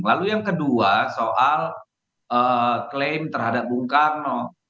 lalu yang kedua soal klaim terhadap bung karno